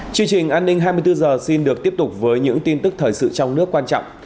chương trình an ninh hai mươi bốn h xin được tiếp tục với những tin tức thời sự trong nước quan trọng